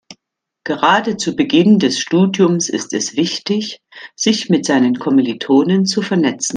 Gerade zu Beginn des Studiums ist es wichtig, sich mit seinen Kommilitonen zu vernetzen.